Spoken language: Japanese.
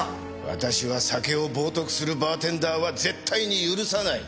私は酒を冒涜するバーテンダーは絶対に許さない。